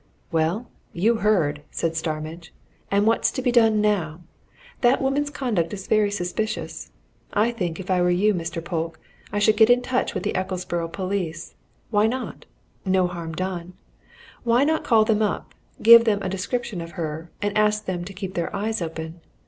"Well you heard!" said Starmidge. "And what's to be done, now? That woman's conduct is very suspicious. I think, if I were you, Mr. Polke, I should get in touch with the Ecclesborough police. Why not? No harm done. Why not call them up, give them a description of her, and ask them to keep their eyes open.